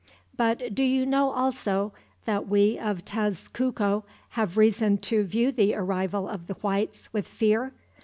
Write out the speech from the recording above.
"But do you know, also, that we of Tezcuco have reason to view the arrival of the Whites with fear?